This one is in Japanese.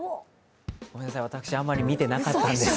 ごめんなさい、私はあまり見ていなかったんです。